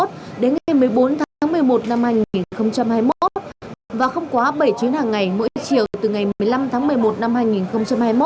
đến ngày một mươi bốn tháng một mươi một năm hai nghìn hai mươi một và không quá bảy chuyến hàng ngày mỗi chiều từ ngày một mươi năm tháng một mươi một năm hai nghìn hai mươi một